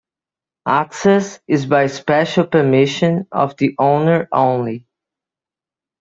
Access is by special permission of the owner only.